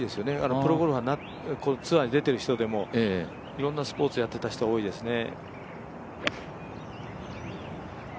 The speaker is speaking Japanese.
プロゴルファー、ツアーに出てる人でもいろんなスポーツをやっていた人が多いですね。